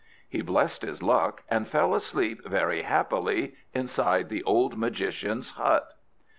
He blessed his luck, and fell asleep very happily inside the old magician's hut.